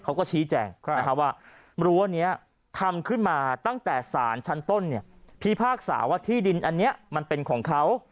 เขาก็ชี้แจงว่ารั้วนี้ทำขึ้นมาตั้งแต่สารชั้นต้นพิพากษาว่าที่ดินอันนี้มันเป็นของเขา